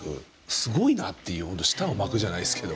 すごいなっていう本当舌を巻くじゃないですけど。